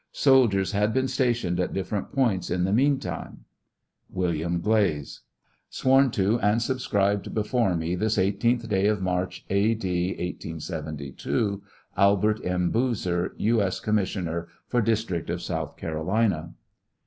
Soldiers had been stationed at different points in the meantime. WM. GLAZE. Sworn to and subscribed before me, this 18th day of March, A. D. 1872. ALBERT M. BOOZER, U. S. Com'rfor District of South Carolina.